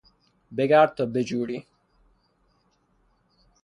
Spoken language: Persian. بگرد تا بجوری!